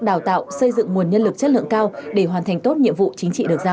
đào tạo xây dựng nguồn nhân lực chất lượng cao để hoàn thành tốt nhiệm vụ chính trị được giao